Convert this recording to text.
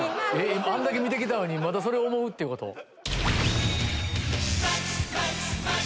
あんだけ見て来たのにまだそれを思うってこと？